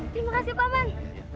terima kasih pak man